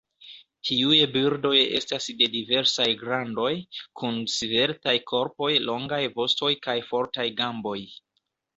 Tiuj birdoj estas de diversaj grandoj kun sveltaj korpoj, longaj vostoj kaj fortaj gamboj.